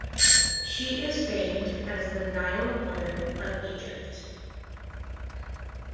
She is famed as the "Nile Mother" of Egypt.